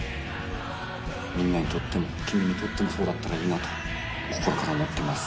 みんなにとっても君にとってもそうだったらいいなと心から思っています。